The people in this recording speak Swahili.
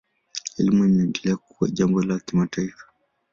Elimu inaendelea kuwa jambo la kimataifa.